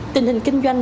tình hình kinh doanh